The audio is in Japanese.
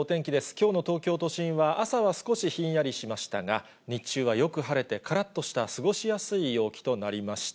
きょうの東京都心は、朝は少しひんやりしましたが、日中はよく晴れて、からっとした過ごしやすい陽気となりました。